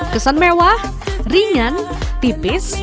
kesan mewah ringan tipis